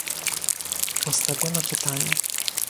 postawiono pytanie